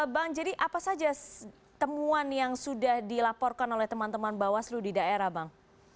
bang jadi apa saja temuan yang sudah dilaporkan oleh teman teman bawaslu di daerah bang